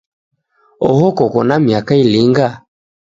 Oho koko na miaka ilinga?